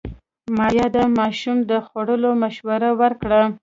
ماريا د ماشوم د خوړو مشوره ورکړه.